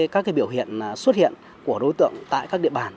các biểu hiện xuất hiện của đối tượng tại các địa bàn